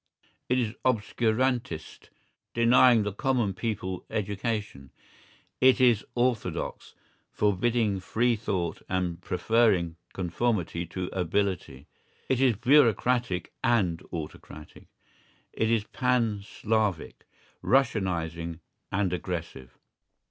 It is obscurantist, denying the common people education; it is orthodox, forbidding free thought and preferring conformity to ability; it is bureaucratic and autocratic; it is Pan Slavic, Russianizing, and aggressive.